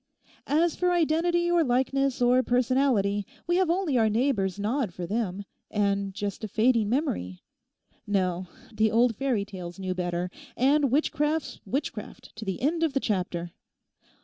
As for identity or likeness or personality, we have only our neighbours' nod for them, and just a fading memory. No, the old fairy tales knew better; and witchcraft's witchcraft to the end of the chapter.